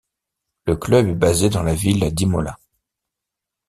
Le club est basé dans la ville d'Imola.